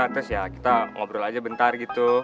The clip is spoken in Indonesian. terus ya kita ngobrol aja bentar gitu